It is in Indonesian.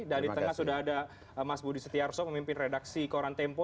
dan di tengah sudah ada mas budi setiarso memimpin redaksi koran tempo